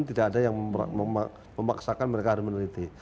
tidak ada yang memaksakan mereka harus meneliti